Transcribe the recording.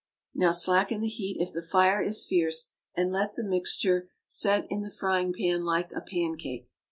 Now slacken the heat if the fire is fierce, and let the mixture set in the frying pan like a pancake.